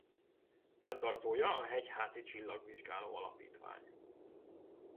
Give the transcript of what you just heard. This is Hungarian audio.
Fenntartója a Hegyháti Csillagvizsgáló Alapítvány.